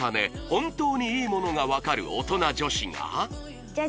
本当にいいものが分かるおとな女史がじゃ